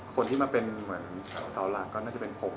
คนที่มาเป็นเหมือนเสาหลักก็น่าจะเป็นผม